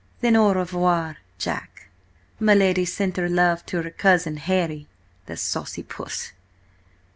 "Then au revoir, Jack. My lady sent her love to her 'Cousin Harry'–the saucy puss!"